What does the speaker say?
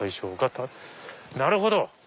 なるほど！